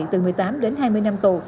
từ một mươi tám đến hai mươi năm tù